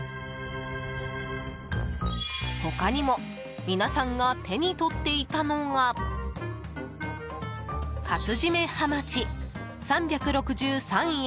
他にも皆さんが手に取っていたのが活〆はまち、３６３円。